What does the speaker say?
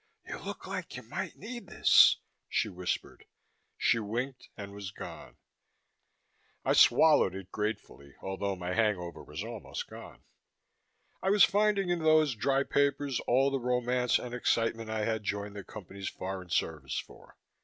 "You look like you might need this," she whispered. She winked and was gone. I swallowed it gratefully, although my hangover was almost gone. I was finding in these dry papers all the romance and excitement I had joined the Company's foreign service for.